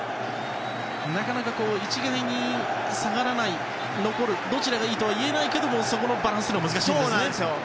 なかなか一概に下がらない、残るどちらがいいとは言えないけれどもそこのバランスが難しいんですよね。